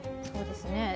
そうですね。